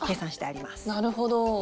あなるほど。